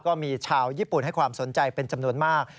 ก็มีชาวญี่ปุ่นให้ความสนใจเป็นจำนวนมาก